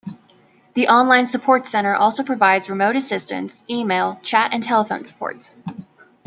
The online Support Center also provides remote assistance, email, chat and telephone support.